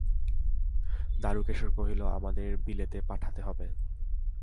দারুকেশ্বর কহিল, আমাদের বিলেতে পাঠাতে হবে।